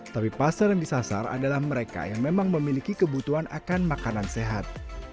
tapi pasar yang disasar adalah mereka yang memang memiliki kebutuhan akan makanan sehat